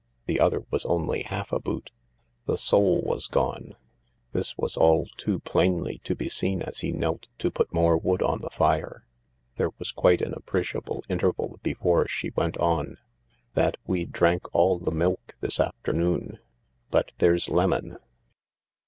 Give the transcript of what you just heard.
The other was only half a boot. The sole was gone. This was all too plainly to be seen as he knelt to put more wood on the fire. There was quite an appreciable interval before she went on "... that we drank all the milk this afternoon. But there's lemon."